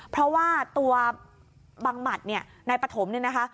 เพราะว่าตัวบังหมัดเนี่ยนายปฐมเนี่ยนะคะ